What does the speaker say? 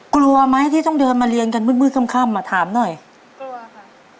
กลัวไหมที่ต้องเดินมาเรียนกันมืดมืดค่ำอ่ะถามหน่อยกลัวค่ะ